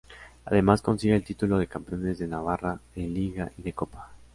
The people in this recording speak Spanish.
Además consigue el título de Campeones de Navarra de liga y de copa.